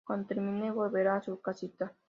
Cuando termine, volverá a su casita.